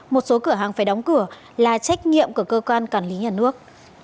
một số cửa hàng phải đóng cửa là trách nhiệm của cơ quan quản lý nhà nước